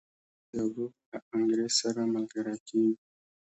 سانتیاګو له انګریز سره ملګری کیږي.